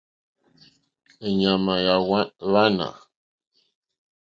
Èɲàmà yà ŋwánà.